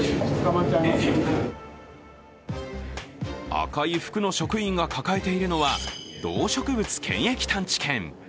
赤い服の職員が抱えているのは、動植物検疫探知犬。